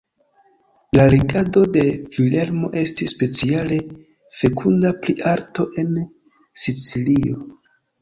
La regado de Vilhelmo estis speciale fekunda pri arto en Sicilio.